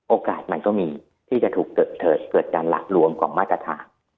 โอกาสมันก็มีที่จะถูกเกิดการหละลวงของมาตรฐาน